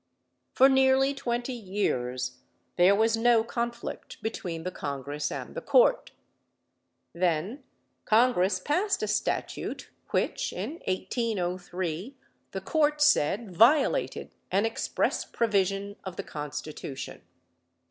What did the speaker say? For nearly twenty years there was no conflict between the Congress and the Court. Then Congress passed a statute which, in 1803, the Court said violated an express provision of the Constitution.